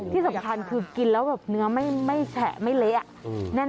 ที่สำคัญคือกินแล้วแบบเนื้อไม่แฉะไม่เละ